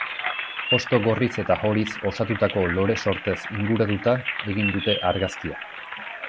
Hosto gorriz eta horiz osatutako lore-sortez inguratuta egin dute argazkia.